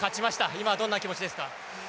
今どんな気持ちですか？